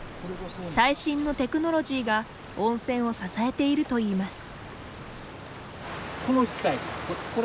最新のテクノロジーが温泉を支えているといいます。